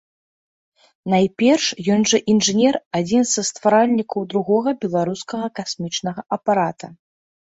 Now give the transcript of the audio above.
Найперш, ён жа інжынер, адзін са стваральнікаў другога беларускага касмічнага апарата.